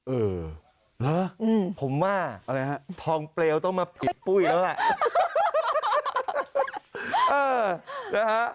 เออฮะผมว่าทองเปลวต้องมาปิดปุ้ยแล้วอ่ะ